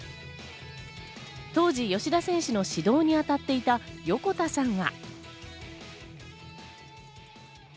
当時、吉田選手の指導にあたっていた横田さんは。